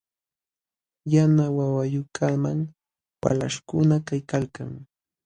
Yana wayayuqkamam walaśhkuna kaykalkan.